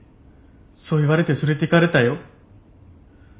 そう言われて連れていかれたよ。